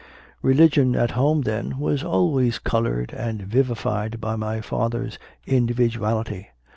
Religion at home, then, was always coloured and vivified by my father s individuality.